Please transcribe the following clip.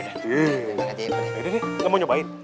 ayo udah udah nggak mau nyobain